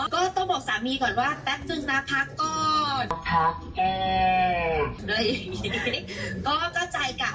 ก็ต้องบอกสามีก่อนว่าแป๊บนึงนะพักก่อน